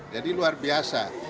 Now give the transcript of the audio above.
jadi luar biasa